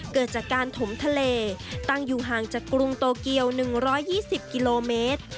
เกิดจากการถมทะเลตั้งอยู่ห่างจากกรุงโตเกียว๑๒๐กิโลเมตร